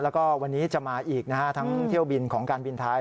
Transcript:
แล้วก็วันนี้จะมาอีกนะฮะทั้งเที่ยวบินของการบินไทย